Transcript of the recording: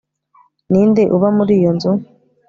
ninde uba muri iyo nzu